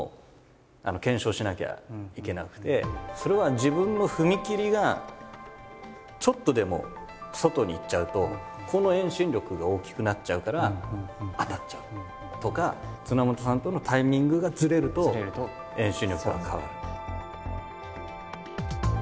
それは自分の踏み切りがちょっとでも外に行っちゃうとこの遠心力が大きくなっちゃうから当たっちゃうとか綱元さんとのタイミングがずれると遠心力が変わる。